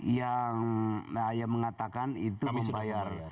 yang mengatakan itu membayar